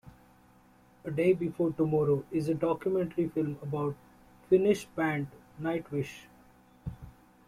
"A Day Before Tomorrow" is a documentary film about Finnish band Nightwish.